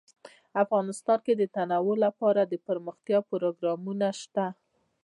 افغانستان کې د تنوع لپاره دپرمختیا پروګرامونه شته.